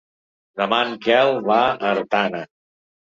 Demà en Quel va a Artana.